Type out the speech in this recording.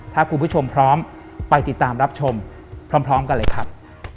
ถ้าคุณผู้ชมพร้อมไปติดตามรับชมพร้อมกันเลยครับ